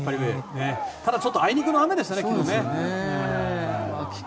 ただ、ちょっとあいにくの雨でしたね、昨日は。